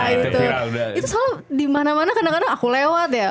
itu selalu dimana mana kadang kadang aku lewat ya